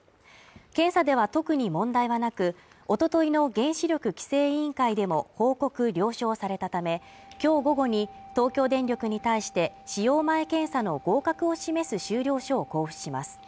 検査では特に問題はなく、おとといの原子力規制委員会でも報告・了承されたため、今日午後に東京電力に対して、使用前検査の合格を示す終了証を交付します。